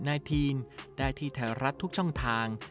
ได้ที่แถวรัฐทุกช่องทาง